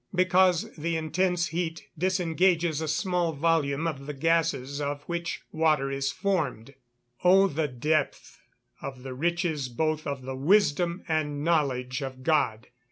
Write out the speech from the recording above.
_ Because the intense heat disengages a small volume of the gases of which water is formed. [Verse: "Oh the depth of the riches both of the wisdom and knowledge of God!